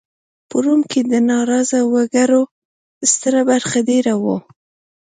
په روم کې د ناراضه وګړو ستره برخه دېره وه